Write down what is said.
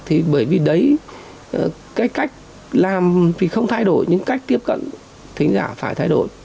thì bởi vì đấy cái cách làm thì không thay đổi những cách tiếp cận thính giả phải thay đổi